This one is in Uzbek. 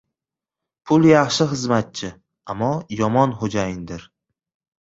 • Pul ― yaxshi xizmatchi, ammo yomon xo‘jayindir.